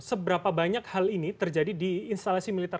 seberapa banyak hal ini terjadi di instalasi militer